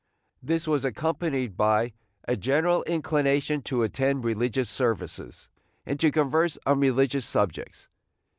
This was accompanied by a general inclination to attend religious services, and to converse on religious subjects.